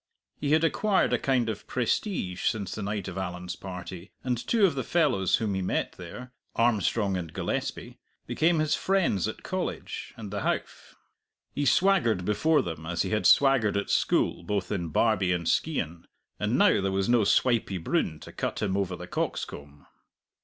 He had acquired a kind of prestige since the night of Allan's party, and two of the fellows whom he met there Armstrong and Gillespie became his friends at College and the Howff. He swaggered before them as he had swaggered at school both in Barbie and Skeighan, and now there was no Swipey Broon to cut him over the coxcomb.